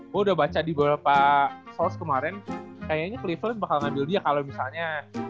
gua udah baca di beberapa source kemarin kayaknya cleveland bakal ngambil dia kalo misalnya